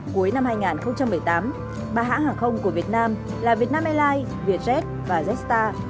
cuối năm hai nghìn một mươi tám ba hãng hàng không của việt nam là vietnam airlines vietjet và jetstar